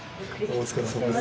お疲れさまです。